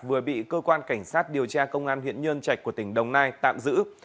vừa bị cơ quan cảnh sát điều tra công an huyện nhân trạch của tỉnh đồng nai tạm giữ